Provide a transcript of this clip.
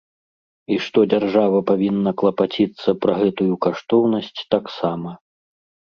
І што дзяржава павінна клапаціцца пра гэтую каштоўнасць таксама.